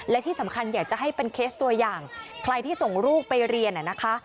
และที่สำคัญอยากจะให้เป็นเคสตัวอย่างใครที่ส่งลูกไปเรียนนะคะ